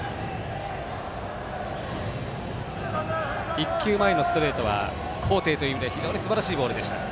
１球前のストレートは高低という意味では非常にすばらしいボールでした。